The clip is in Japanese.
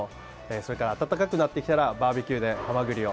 それから、暖かくなってきたらバーベキューでハマグリを。